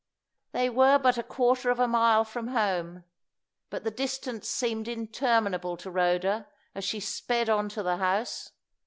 They were but a quarter of a mile from home, but the distance seemed interminable to Rhoda as she sped on to the house.